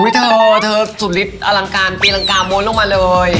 อุ๊ยเธอสุริทธิ์อลังการปีลังกาโมนลงมาเลย